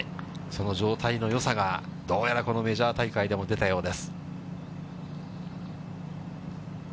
その状態のよさがどうやらこのメジャー大会でも出たようです。